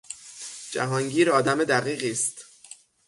جهانگیر آدم دقیقی است.